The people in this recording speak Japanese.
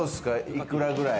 いくらくらい？